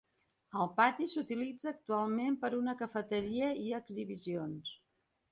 El pati s'utilitza actualment per a una cafeteria i exhibicions.